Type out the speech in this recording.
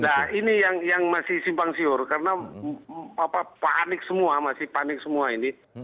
nah ini yang masih simpang siur karena panik semua masih panik semua ini